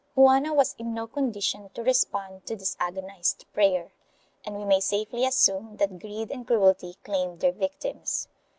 2 Juana was in no condition to respond to this agonized prayer, and we may safely assume that greed and cruelty claimed their victims.